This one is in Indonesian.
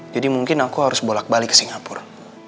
jadi mungkin aku harus bolak balik ke singapur